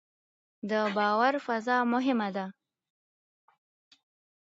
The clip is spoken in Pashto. د باور فضا مهمه ده